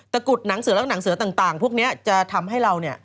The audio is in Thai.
กุดหนังเสือแล้วหนังเสือต่างพวกนี้จะทำให้เราเนี่ย